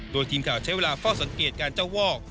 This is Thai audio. โดยทีมข่าวใช้เวลาเฝ้าสังเกตการเจ้าวอก